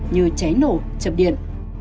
như cháy nổ chập điện